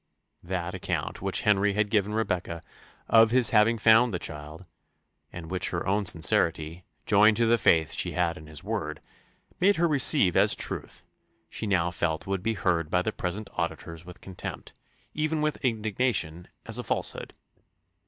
That account which Henry had given Rebecca "of his having found the child," and which her own sincerity, joined to the faith she had in his word, made her receive as truth, she now felt would be heard by the present auditors with contempt, even with indignation, as a falsehood.